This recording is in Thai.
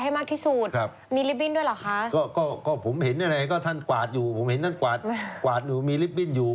ให้เยียวพูดประสบความโทษภัยให้มากที่สุดมีลิฟต์บิ้นด้วยหรอคะ